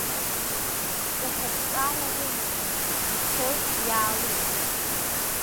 Ҵыхәаԥҵәара рымаӡам, ицоит, иаауеит.